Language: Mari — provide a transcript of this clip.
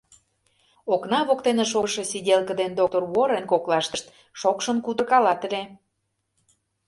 Окна воктене шогышо сиделке ден доктыр Уоррен коклаштышт шокшын кутыркалат ыле.